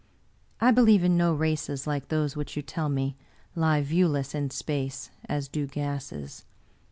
I believe in no races like those which you tell me lie viewless in space, as do gases.